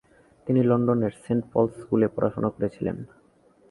তিনি লন্ডনের saint Paul's স্কুলে পড়াশোনা করেছিলেন।